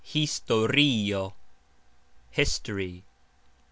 historio : history.